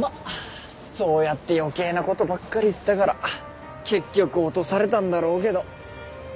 まあそうやって余計な事ばっかり言ったから結局落とされたんだろうけど。